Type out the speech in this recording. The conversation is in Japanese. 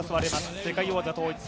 世界王座統一戦。